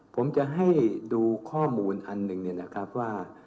ผมจะให้ดูข้อมูลอันหนึ่งว่า